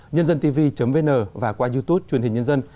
nhân dântv vn và qua youtube truyền hình nhân dân